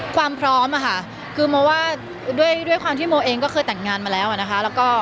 ความพร้อมค่ะคือโมว่าด้วยความที่โมเองก็เคยแต่งงานมาแล้วนะคะ